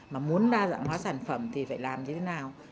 mà muốn đa dạng hóa sản phẩm thì phải làm như thế nào